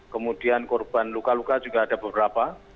kemudian korban luka luka juga ada beberapa